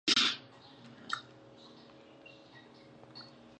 زه په یخو اوبو کې د خپلو احساساتو تجربه شریکوم.